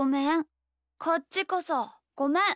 こっちこそごめん。